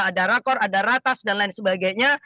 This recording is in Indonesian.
ada rakor ada ratas dan lain sebagainya